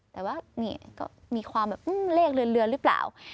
แต่ว่านี่ก็มีความแบบเลขเรือนหรือเปล่า